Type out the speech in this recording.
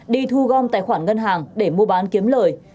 đi thu gom tài khoản ngân hàng để mua bán kiếm lời